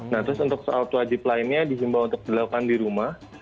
nah terus untuk sholat wajib lainnya dihimbau untuk dilakukan di rumah